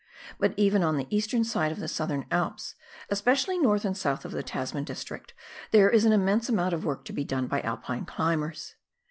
But even on the eastern side of the Southern Alps, especially north and south of the Tasman district, there is an immense amount of work to be done by Alpine climbers.